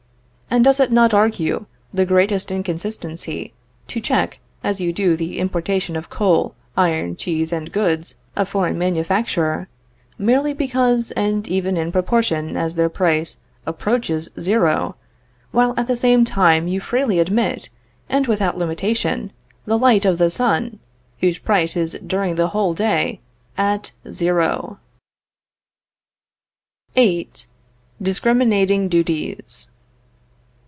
And does it not argue the greatest inconsistency to check as you do the importation of coal, iron, cheese, and goods of foreign manufacture, merely because and even in proportion as their price approaches zero, while at the same time you freely admit, and without limitation, the light of the sun, whose price is during the whole day at zero?" VIII. DISCRIMINATING DUTIES.